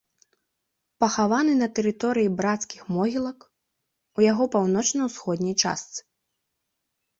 Пахаваны на тэрыторыі брацкіх могілак, у яго паўночна-ўсходняй частцы.